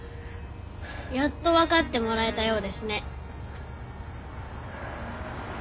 やっとわかってもらえたようですね。